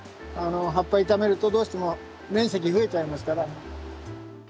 葉っぱ傷めるとどうしても面積増えちゃいますから。